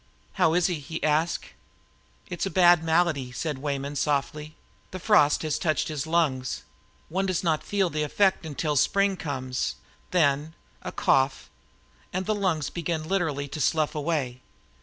"How is he?" he asked. "It is the bad malady," said Weyman softly. "The frost has touched his lungs. One does not feel the effect of that until spring comes. Then a cough and the lungs begin literally to slough away."